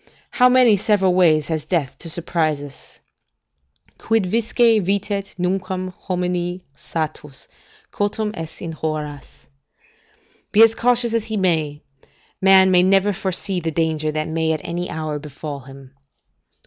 How many several ways has death to surprise us? "Quid quisque, vitet, nunquam homini satis Cautum est in horas." ["Be as cautious as he may, man can never foresee the danger that may at any hour befal him."